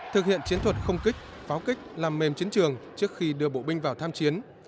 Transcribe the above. thực hiện chiến thuật không kích pháo kích làm mềm chiến trường trước khi đưa bộ binh vào tham chiến